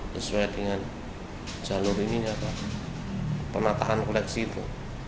sesuai dengan jalur ini penataan koleksi itu